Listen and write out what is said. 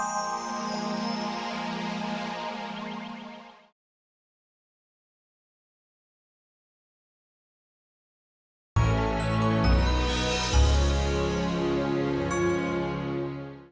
kau tidak bisa membedakan